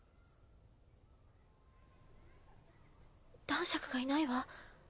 男爵がいないわ。